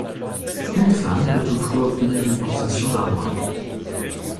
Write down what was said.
Une femme peut toutefois obtenir une concession d'armoiries.